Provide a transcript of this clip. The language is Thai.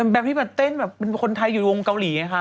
แบมที่เต้นแบบคนไทยอยู่กองกอรีย์เนี่ยคะ